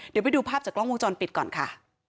เดี๋ยวไปดูภาพจากกล้องวงจรปิดก่อนค่ะ